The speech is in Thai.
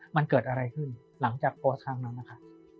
มันเกิดอะไรขึ้นหลังจากโพสต์ครั้งนั้นนะคะ